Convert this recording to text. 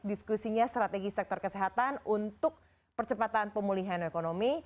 diskusinya strategi sektor kesehatan untuk percepatan pemulihan ekonomi